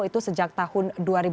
itu sejak tahun dua ribu dua puluh